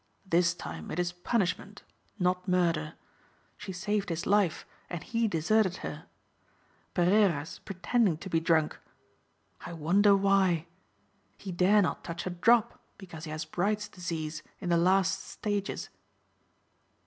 "This time it is punishment, not murder. She saved his life and he deserted her. Pereira's pretending to be drunk. I wonder why. He dare not touch a drop because he has Bright's disease in the last stages."